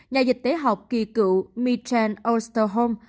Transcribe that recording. nhà dịch tế học kỳ cựu miechen osterholm